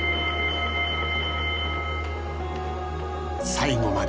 最後まで。